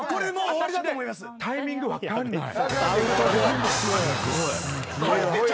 私ねタイミング分かんない。